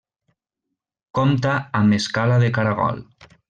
Compta amb escala de caragol.